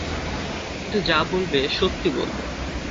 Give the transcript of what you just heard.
কিন্তু যা বলবে সত্যি বলবে।